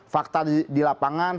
fakta di lapangan